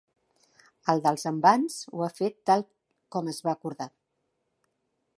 El dels envans ho ha fet tal com es va acordar.